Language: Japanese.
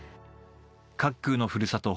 茅空のふるさと